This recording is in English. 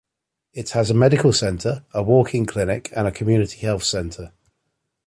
It has a medical centre, a walk-in clinic, and a community health centre.